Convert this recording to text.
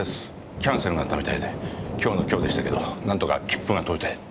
キャンセルがあったみたいで今日の今日でしたけどなんとか切符が取れて。